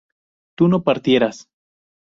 tú no partieras